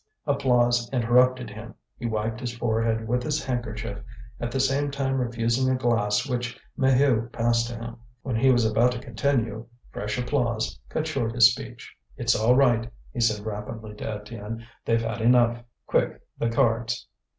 Applause interrupted him. He wiped his forehead with his handkerchief, at the same time refusing a glass which Maheu passed to him. When he was about to continue fresh applause cut short his speech. "It's all right," he said rapidly to Étienne. "They've had enough. Quick! the cards!"